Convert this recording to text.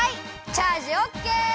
チャージオッケー！